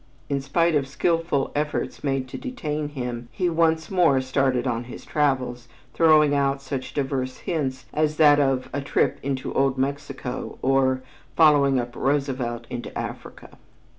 In spite of skilful efforts made to detain him, he once more started on his travels, throwing out such diverse hints as that of "a trip into Old Mexico," or "following up Roosevelt into Africa."